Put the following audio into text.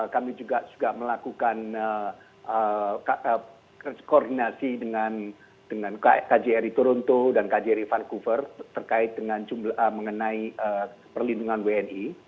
kami juga melakukan koordinasi dengan kjri toronto dan kjri vancouver terkait dengan mengenai perlindungan wni